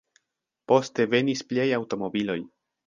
Poste venis pliaj aŭtomobiloj.